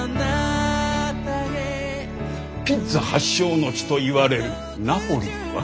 ピッツァ発祥の地といわれるナポリは？